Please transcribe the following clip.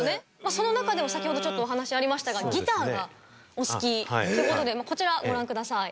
その中でも先ほどちょっとお話ありましたがギターがお好きってことでこちらご覧ください。